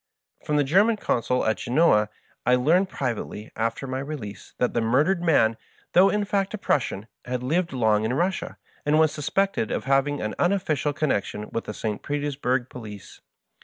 From the Genuan Consul at Genoa I learned privately, after my release, that the murdered man, though in fact a Prussian, had lived long in Russia, and was suspected of having had an unofficial connection with the St. Petersburg police.